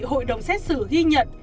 hội đồng xét xử ghi nhận